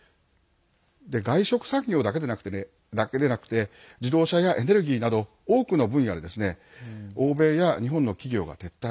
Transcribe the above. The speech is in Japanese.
外食産業だけでなくて自動車やエネルギーなど多くの分野で欧米や日本の企業が撤退。